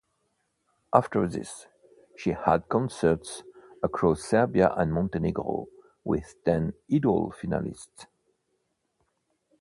After this, she had concerts across Serbia and Montenegro with ten "Idol" finalists.